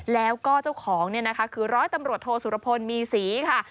แล้วก็เจ้าของเนี่ยนะคะคือร้อยตำรวจโทสุรพลมีศรีค่ะ